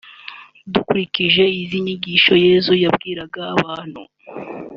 Dukurikije izi nyigisho Yesu yabwiraga abantu